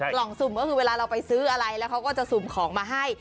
กล่องสุ่มก็คือเวลาเราไปซื้ออะไรแล้วเขาก็จะสุ่มของมาให้